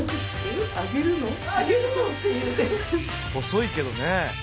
細いけどね。